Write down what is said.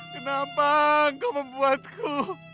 kenapa engkau membuatku